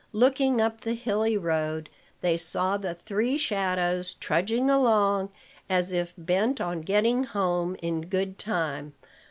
Looking up the hilly road, they saw the three shadows trudging along, as if bent on getting home in good time.